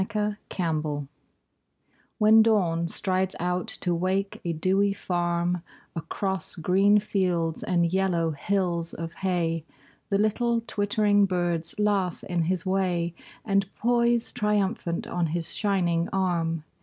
Alarm Clocks When Dawn strides out to wake a dewy farm Across green fields and yellow hills of hay The little twittering birds laugh in his way And poise triumphant on his shining arm.